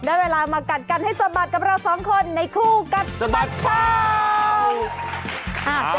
ได้เวลามากัดกันให้สะบัดกับเราสองคนในคู่กัดสะบัดข่าว